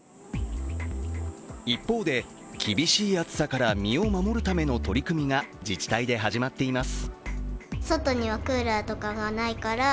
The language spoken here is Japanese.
一方で厳しい暑さから身を守るための取り組みが自治体で始まっています。